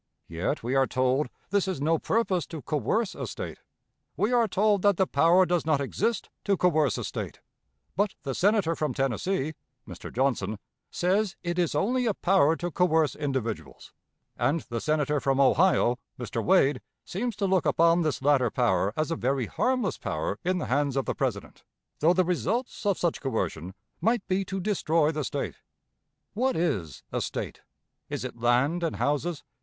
Yet, we are told this is no purpose to coerce a State; we are told that the power does not exist to coerce a State; but the Senator from Tennessee [Mr. Johnson] says it is only a power to coerce individuals; and the Senator from Ohio [Mr. Wade] seems to look upon this latter power as a very harmless power in the hands of the President, though the results of such coercion might be to destroy the State. What is a State? Is it land and houses?